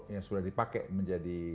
yang sudah dipakai menjadi